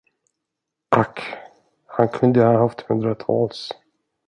Ack, han kunde haft hundratals.